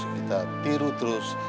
kita biru terus